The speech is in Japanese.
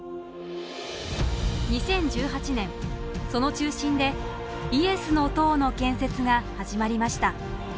２０１８年その中心でイエスの塔の建設が始まりました。